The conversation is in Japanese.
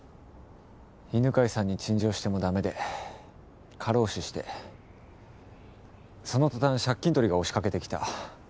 犬飼さんに陳情してもだめで過労死してその途端借金取りが押しかけてきた。